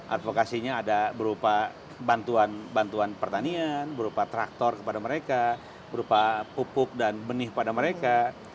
advokasinya ada berupa bantuan bantuan pertanian berupa traktor kepada mereka berupa pupuk dan benih pada mereka